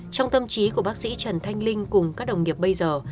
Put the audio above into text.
trong tâm trí của bác sĩ trần thanh linh cùng các đồng nghiệp bây giờ